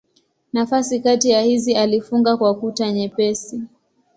Nafasi kati ya hizi alifunga kwa kuta nyepesi.